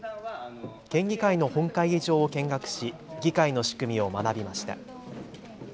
県議会の本会議場を見学し議会の仕組みを学びました。